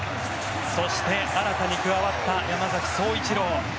そして、新たに加わった山崎颯一郎。